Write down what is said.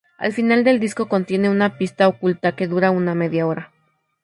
Al final del disco contiene una pista oculta que dura una media hora.